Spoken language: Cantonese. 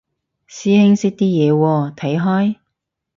師兄識啲嘢喎，睇開？